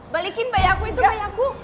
balikin bayi aku itu kayak aku